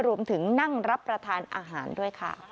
นั่งรับประทานอาหารด้วยค่ะ